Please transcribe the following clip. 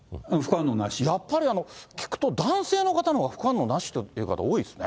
やっぱり、聞くと男性の方のほうが副反応なしっていう方のほうが多いですね。